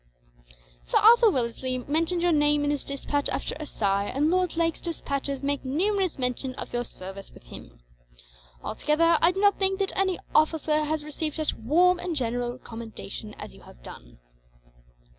Sir Arthur Wellesley mentioned your name in his despatch after Assaye, and Lord Lake's despatches make numerous mention of your service with him. Altogether, I do not think that any officer has received such warm and general commendation as you have done."